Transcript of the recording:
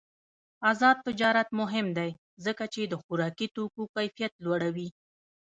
آزاد تجارت مهم دی ځکه چې د خوراکي توکو کیفیت لوړوي.